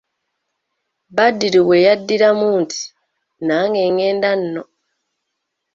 Badru we yaddiramu nti:"nange ngenda nno"